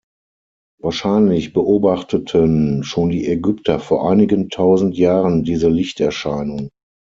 Wahrscheinlich beobachteten schon die Ägypter vor einigen tausend Jahren diese Lichterscheinung.